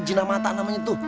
jinah mata namanya tuh